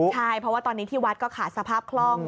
ใช่เพราะว่าตอนนี้ที่วัดก็ขาดสภาพคล่อง